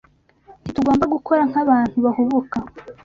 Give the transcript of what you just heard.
Ntitugomba gukora nk’abantu bahubuka.